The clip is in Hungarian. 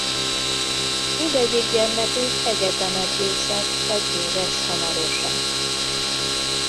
Mindegyik gyermekük egyetemet végzett vagy végez hamarosan.